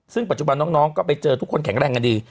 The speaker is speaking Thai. ซึ่งปัจจุบันน้องก็ไปเจอทุกคนแข็งแรงกันดี